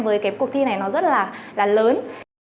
với cái cuộc thi này nó rất là lớn